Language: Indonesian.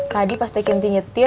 tadi pas teh kinanti ngeliatnya